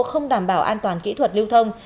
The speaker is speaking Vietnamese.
không đảm bảo an toàn kỹ thuật lưu thông